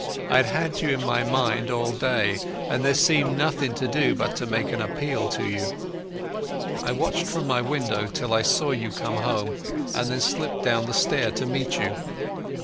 I had had you in my mind all day, and there seemed nothing to do but to make an appeal to you. I watched from my window till I saw you come home, and then slipped down the stair to meet you....